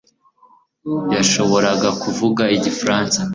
yashoboraga kuvuga igifaransa